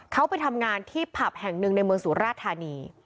เขาไปทำงานที่ผับแห่งหนึ่งในเมืองสุราธานี